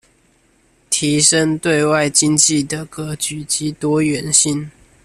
提升對外經濟的格局及多元性